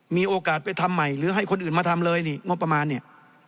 มีโอกาสไปทำใหม่หรือให้คนอื่นมาทำเลยนี่งบประมาณเนี่ย